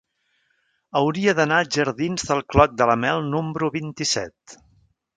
Hauria d'anar als jardins del Clot de la Mel número vint-i-set.